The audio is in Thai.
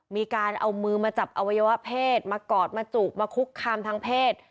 มีการเอามือมาจับอวัยวะเพศมากอดมาจุกมาคุกคามทางเพศ